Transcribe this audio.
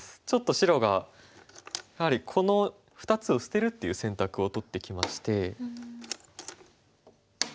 ちょっと白がやはりこの２つを捨てるっていう選択を取ってきまして。